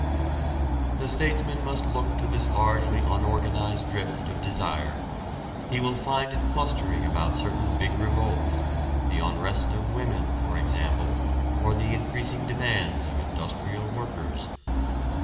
The statesman must look to this largely unorganized drift of desire. He will find it clustering about certain big revolts the unrest of women, for example, or the increasing demands of industrial workers.